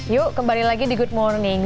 yuk kembali lagi di good morning